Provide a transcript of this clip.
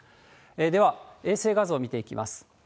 では、衛星画像見ていきます。